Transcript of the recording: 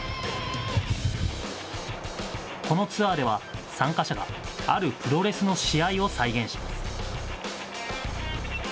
このツアーでは、参加者があるプロレスの試合を再現します。